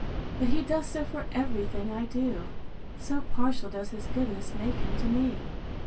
But he does so for every thing I do, so partial does his goodness make him to me.